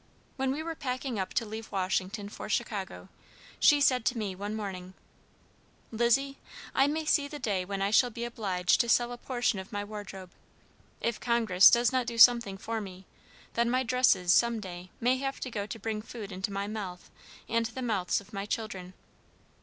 When we were packing up to leave Washington for Chicago, she said to me, one morning: "Lizzie, I may see the day when I shall be obliged to sell a portion of my wardrobe. If Congress does not do something for me, then my dresses some day may have to go to bring food into my mouth, and the mouths of my children."